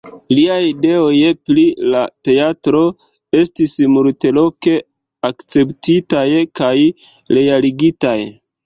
Liaj ideoj pri la teatro estis multloke akceptitaj kaj realigitaj.